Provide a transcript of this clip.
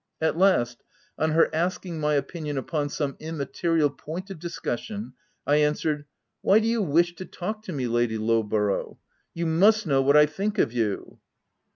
At last, on her asking my opinion upon some immaterial point of discussion, I answered, — "Why do you wish to talk to me, Lady Lowborough ?— you must know what I think of you."